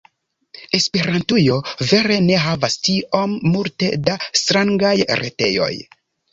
Esperantujo vere ne havas tiom multe da strangaj retejoj.